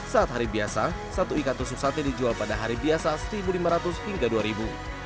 saat hari biasa satu ikan tusuk sate dijual pada hari biasa rp satu lima ratus hingga rp dua